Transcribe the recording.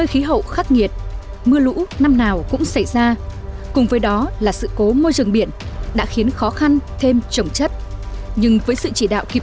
hãy đăng ký kênh để ủng hộ kênh của chúng mình nhé